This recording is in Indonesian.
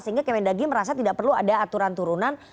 sehingga kemendag merasa tidak perlu ada aturan turunan